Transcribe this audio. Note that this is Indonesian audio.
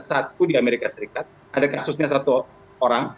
satu di amerika serikat ada kasusnya satu orang